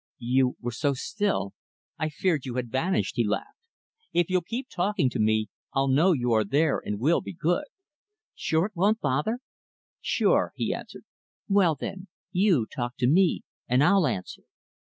"You were so still I feared you had vanished," he laughed. "If you'll keep talking to me, I'll know you are there, and will be good." "Sure it won't bother?" "Sure," he answered. "Well, then, you talk to me, and I'll answer."